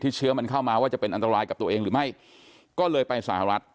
เชื้อมันเข้ามาว่าจะเป็นอันตรายกับตัวเองหรือไม่ก็เลยไปสหรัฐ